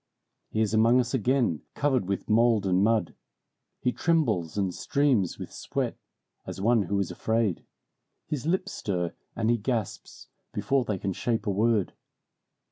He is among us again, covered with mold and mud. He trembles and streams with sweat, as one who is afraid. His lips stir, and he gasps, before they can shape a word.